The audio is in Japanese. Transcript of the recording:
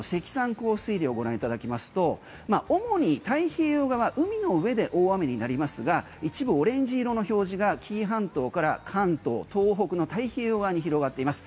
降水量をご覧いただきますと主に太平洋側海の上で大雨になりますが一部オレンジ色の表示が紀伊半島から関東東北の太平洋側に広がっています。